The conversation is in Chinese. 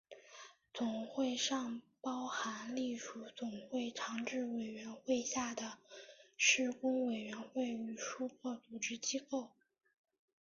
总会尚包含隶属总会常置委员会下的事工委员会与数个组织机构。